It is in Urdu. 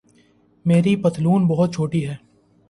میری پتلون بہت چھوٹی ہے